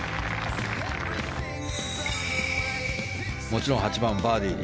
もちろん８番はバーディー。